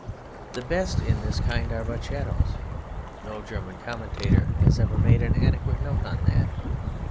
"The best in this kind are but shadows." No German commentator has ever made an adequate note on that.